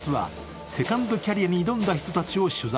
そこで「Ｎキャス」はセカンドキャリアに挑んだ人たちを取材。